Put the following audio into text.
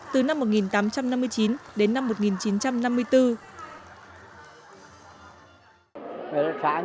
từ năm một nghìn tám trăm năm mươi chín đến năm một nghìn chín trăm năm mươi bốn